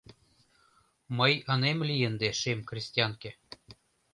Мый ынем лий ынде шем крестьянке